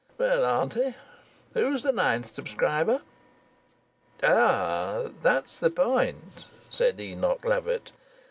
Well, auntie, who's the ninth subscriber?" "Ah, that's the point," said Enoch Lovatt.